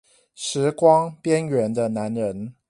時光邊緣的男人